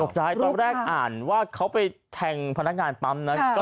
ตอนแรกอ่านว่าเขาไปแทงพนักงานปั๊มนั้น